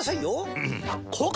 うん！